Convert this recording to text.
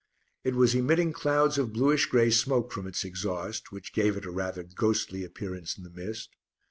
It was emitting clouds of bluish grey smoke from its exhaust which gave it a rather ghostly appearance in the mist....